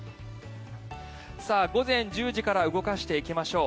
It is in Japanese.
午前１０時から動かしていきましょう。